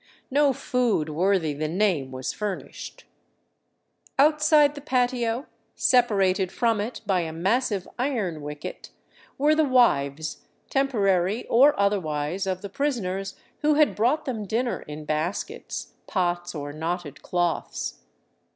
No food worthy the name was furnished. Outside the patio, sepa rated from it by a massive iron wicket, were the wives, temporary or otherwise, of the prisoners, who had brought them dinner in baskets, pots, or knotted cloths.